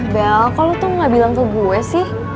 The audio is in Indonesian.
bel kok lo tuh gak bilang ke gue sih